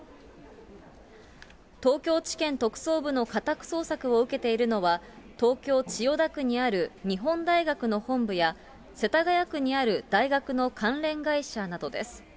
東京地検特捜部の家宅捜索を受けているのは、東京・千代田区にある日本大学の本部や世田谷区にある大学の関連会社などです。